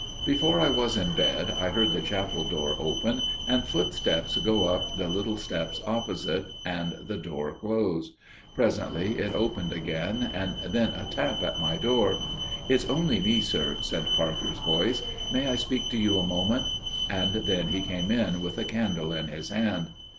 Before I was in bed I heard the chapel door open, and footsteps go up the little steps opposite, and the door close. Presently it opened again; and then a tap at my door. "It's only me, sir," said Parker's voice. "May I speak to you a moment?" and then he came in with a candle in his hand.